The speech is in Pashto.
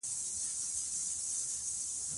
بيوکراتان د حکومت ماشين دي.